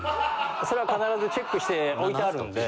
それは必ずチェックしておいてあるんで。